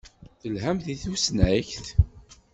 Telhamt deg tusnakt?